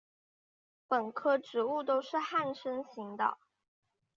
本科植物都是旱生型的。